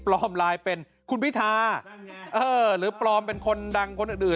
ไลน์เป็นคุณพิทาหรือปลอมเป็นคนดังคนอื่น